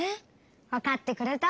わかってくれた？